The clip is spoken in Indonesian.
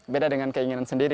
beda dengan keinginan sendiri